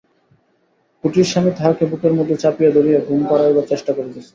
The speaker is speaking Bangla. কুটিরস্বামী তাঁহাকে বুকের মধ্যে চাপিয়া ধরিয়া ঘুম পাড়াইবার চেষ্টা করিতেছে।